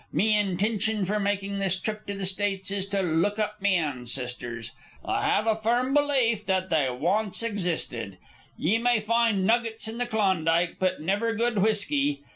Me intintion for makin' this trip to the States is to look up me ancestors. I have a firm belafe that they wance existed. Ye may find nuggets in the Klondike, but niver good whiskey.